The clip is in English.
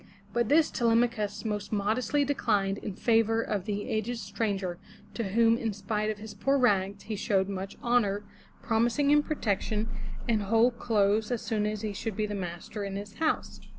But this Te lem'a chus most modestly declined in favor of the aged stranger, to whom in spite of his poor rags he showed much honor, promising him protection and whole clothes as soon as he should be the master in his house.